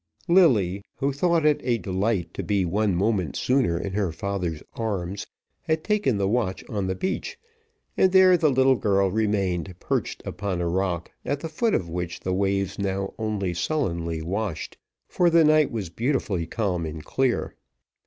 Lilly, who thought it a delight to be one moment sooner in her father's arms, had taken the watch on the beach, and there the little girl remained perched upon a rock, at the foot of which the waves now only sullenly washed, for the night was beautifully calm and clear.